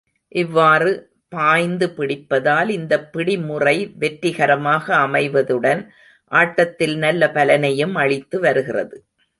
இவ்வாறு, பாய்ந்து பிடிப்பதால், இந்தப் பிடி முறை வெற்றிகரமாக அமைவதுடன், ஆட்டத்தில் நல்ல பலனையும் அளித்து வருகிறது.